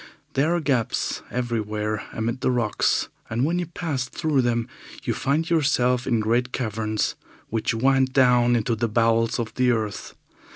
There are gaps everywhere amid the rocks, and when you pass through them you find yourself in great caverns, which wind down into the bowels of the earth.